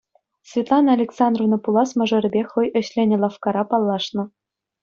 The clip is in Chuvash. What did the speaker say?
Светлана Александровна пулас мӑшӑрӗпе хӑй ӗҫленӗ лавккара паллашнӑ.